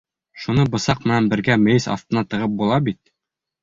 Шуны бысаҡ менән бергә мейес аҫтына тығып була бит.